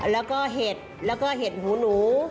แล้วก็เห็ดแล้วก็เห็ดหูหนู